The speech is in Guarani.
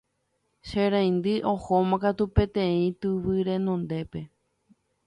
che reindy ohóma katu peteĩ tyvy renondépe